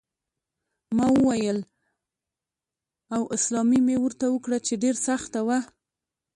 ما وویل: 'A rivederla' او سلامي مې ورته وکړه چې ډېره سخته وه.